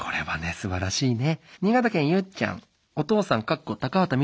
すばらしいね。